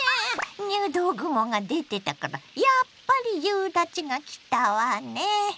入道雲が出てたからやっぱり夕立ちがきたわね！